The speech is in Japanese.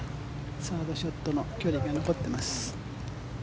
サードショットの距離が残っています。